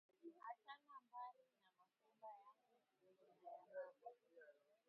Achana mbari na mashamba yangu na ya mama